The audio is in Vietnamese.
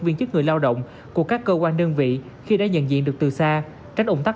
viên chức người lao động của các cơ quan đơn vị khi đã nhận diện được từ xa tránh ủng tắc